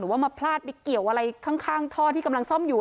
ว่ามาพลาดไปเกี่ยวอะไรข้างท่อที่กำลังซ่อมอยู่